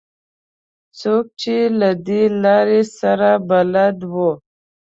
څوک چې له دې لارې سره بلد وو.